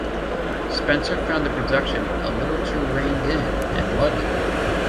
Spencer found the production "a little too reigned in" and "muddy".